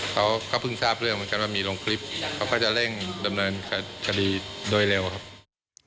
เขาก็เพิ่งทราบเรื่องเหมือนกันว่ามีลงคลิปเขาก็จะเร่งดำเนินคดีโดยเร็วครับ